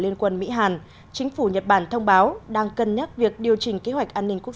liên quân mỹ hàn chính phủ nhật bản thông báo đang cân nhắc việc điều chỉnh kế hoạch an ninh quốc